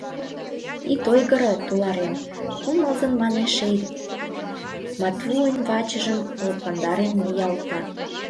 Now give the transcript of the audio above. Ит ойгыро, туларем, — кумылзын манеш Эрик, Матвуйын вачыжым лыпландарен ниялта.